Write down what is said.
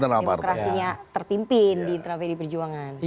demokrasinya terpimpin di tni